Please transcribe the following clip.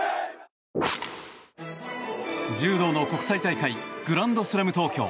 柔道の国際大会グランドスラム東京。